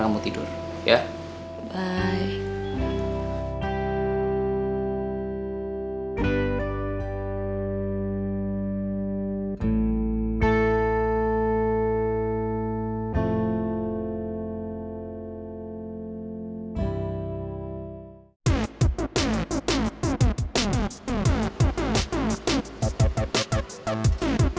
aku gak mau kamu sakit